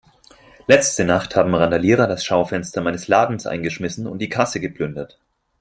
Letzte Nacht haben Randalierer das Schaufenster meines Ladens eingeschmissen und die Kasse geplündert.